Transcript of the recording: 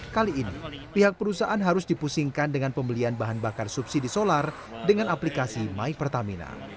kali ini pihak perusahaan harus dipusingkan dengan pembelian bahan bakar subsidi solar dengan aplikasi my pertamina